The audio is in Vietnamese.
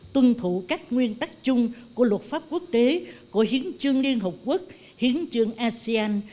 tuân thủ các nguyên tắc chung của luật pháp quốc tế của hiến chương liên hợp quốc hiến chương asean